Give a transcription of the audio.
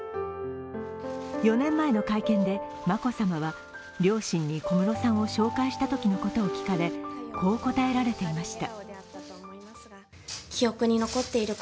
４年前の会見で眞子さまは両親に小室さんを紹介したときのことを聞かれこう答えられていました。